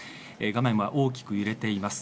画面は大きく揺れています。